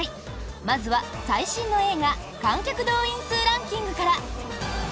まずは、最新の映画観客動員数ランキングから。